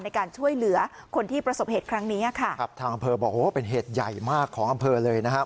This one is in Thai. ในการช่วยเหลือคนที่ประสบเหตุครั้งนี้อ่ะค่ะครับทางอำเภอบอกโอ้โหเป็นเหตุใหญ่มากของอำเภอเลยนะครับ